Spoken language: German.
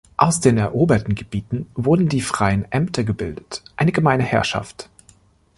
Aus den eroberten Gebieten wurden die Freien Ämter gebildet, eine Gemeine Herrschaft.